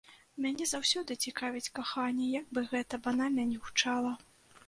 Мяне заўсёды цікавіць каханне, як бы гэта банальна не гучала.